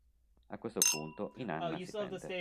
A questo punto Inanna si pente.